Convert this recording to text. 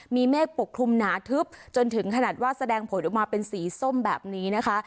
มีเมฆปกคลุมหนาทึบจนถึงขนาดว่าแสดงผลออกมาเป็นสีส้มแบบนี้นะคะ